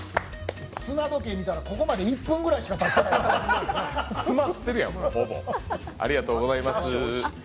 砂時計見たらここまで１分ぐらいしかたってない詰まってるやん、ほぼ。